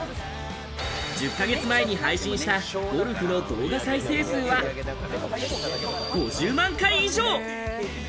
１０か月前に配信したゴルフの動画再生数は５０万回以上。